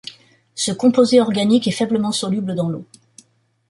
Ce composé organique est faiblement soluble dans l'eau.